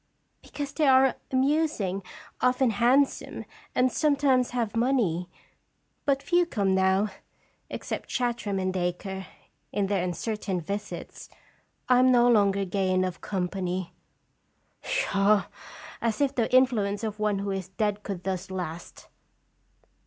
"Because they are amusing, often hand some, and sometimes have money. But few come now, except Chartram and Dacre, in their uncertain visits. I am no longer gay enough company." " Pshaw! as if the influence of one who is dead could thus last!"